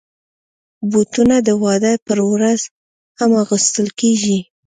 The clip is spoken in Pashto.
بوټونه د واده پر ورځ هم اغوستل کېږي.